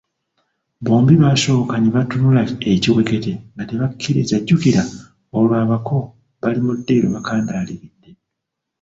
Bombi baasooka ne batunula ekiwekete nga tebakikkiriza jjukira olwo abako bali mu ddiiro bakandaaliridde!